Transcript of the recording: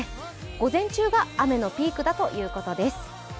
午前中が雨のピークだということです。